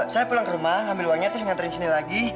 saya pulang ke rumah ambil uangnya terus nganterin sini lagi